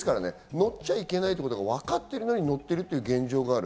乗っちゃいけないことがわかってるのに乗っている現状がある。